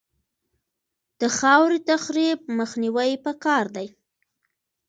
د خاورې تخریب مخنیوی پکار دی